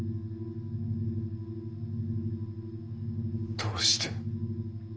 どうして。